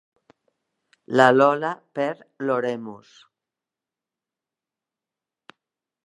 La Lola perd l'oremus.